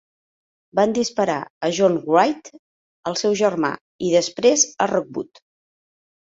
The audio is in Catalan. Van disparar a John Wright, al seu germà i després a Rookwood.